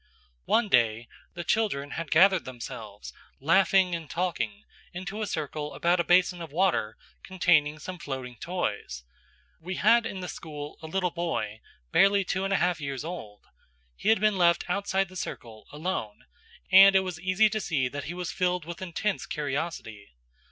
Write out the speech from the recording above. One day, the children had gathered themselves, laughing and talking, into a circle about a basin of water containing some floating toys. We had in the school a little boy barely two and a half years old. He had been left outside the circle, alone, and it was easy to see that he was filled with intense curiosity.